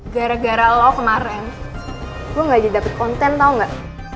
gara gara lo kemaren gue gak didapet konten tau gak